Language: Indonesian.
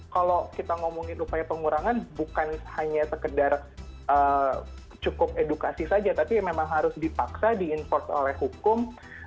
kalau kita ngomongin upaya pengurangan bukan hanya sekedar cukup edukasi saja tapi memang harus dipaksa di inforce oleh hukum